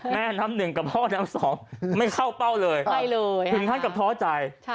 แม่น้ำหนึ่งกับพ่อน้ำสองไม่เข้าเป้าเลยถึงขั้นกับท้อใจ